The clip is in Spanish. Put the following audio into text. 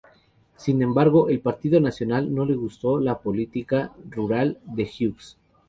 Sin embargo, al Partido Nacional no le gustó la política rural de Hughes.